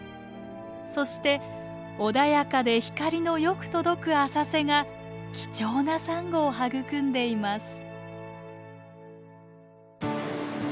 そして穏やかで光のよく届く浅瀬が貴重なサンゴを育んでいます。